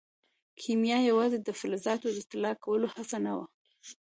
کیمیا یوازې د فلزاتو د طلا کولو هڅه نه وه.